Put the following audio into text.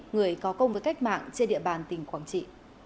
người có công với cách mạng trên địa bàn tỉnh quảng trị